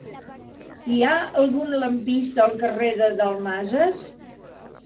Hi ha algun lampista al carrer de Dalmases?